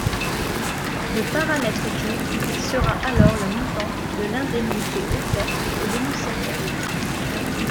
Le paramètre clef sera alors le montant de l’indemnité offerte au dénonciateur.